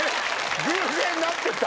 偶然なってた！